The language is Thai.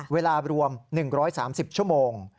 เวลารวม๑๓๐ชั่วโมง